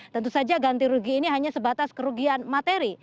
tentu saja ganti rugi ini hanya sebatas kerugian materi